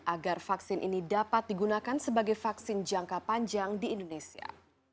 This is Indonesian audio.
agar vaksin ini dapat digunakan sebagai vaksin jangka panjang di indonesia